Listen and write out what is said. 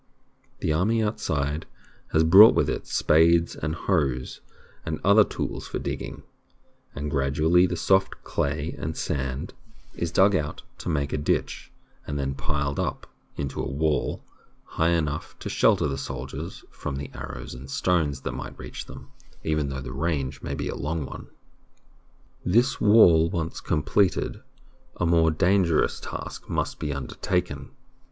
The army outside has brought with it spades and hoes and other tools for digging, and gradually the soft clay and sand is dug out to make a ditch and then piled up into a wall high enough to shelter the soldiers from the arrows and the stones that might reach them, even though the range be a long one. This wall once completed, a more dangerous task must be undertaken.